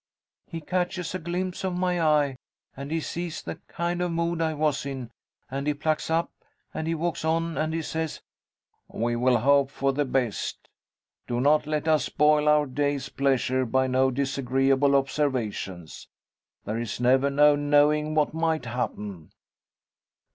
He catches a glimpse of my eye, and he sees the kind of mood I was in, and he plucks up, and he walks on, and he says, 'We will hope for the best. Do not let us spoil our day's pleasure by no disagreeable observations. There is never no knowing what might happen.'